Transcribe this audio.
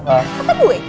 kata gue gak denger